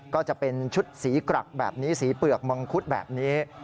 ก็จะเป็นชุดสีกรักแบบนี้สีเปลือกมังคุดแบบนี้